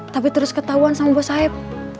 tapi terus ketauan sama buah sayap